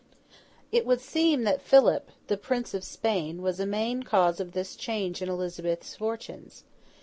It would seem that Philip, the Prince of Spain, was a main cause of this change in Elizabeth's fortunes.